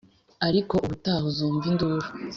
ariko ubutaha uzumva induru